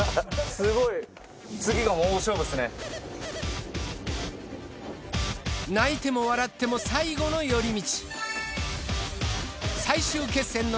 すごい。泣いても笑っても最後の寄り道。